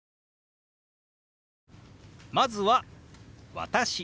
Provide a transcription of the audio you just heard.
まずは「私」。